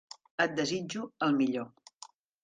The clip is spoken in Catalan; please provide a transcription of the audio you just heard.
Et desitjo el millor